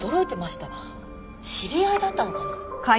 知り合いだったのかも。